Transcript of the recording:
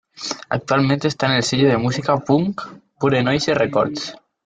Actualmente están en el sello de música "punk", Pure Noise Records.